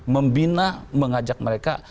membina mengajak mereka